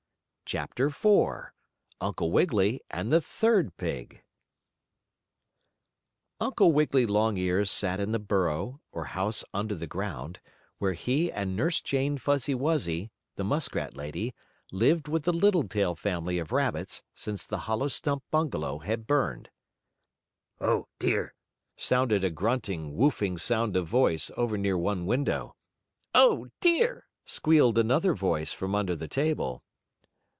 CHAPTER IV UNCLE WIGGILY AND THE THIRD PIG Uncle Wiggily Longears sat in the burrow, or house under the ground, where he and Nurse Jane Fuzzy Wuzzy, the muskrat lady, lived with the Littletail family of rabbits since the hollow stump bungalow had burned. "Oh, dear!" sounded a grunting, woofing sort of voice over near one window. "Oh, dear!" squealed another voice from under the table.